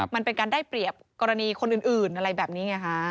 มันเป็นการได้เปรียบกรณีคนอื่นอะไรแบบนี้ไงฮะ